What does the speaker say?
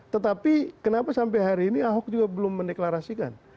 tetapi kenapa sampai hari ini ahok juga belum mendeklarasikan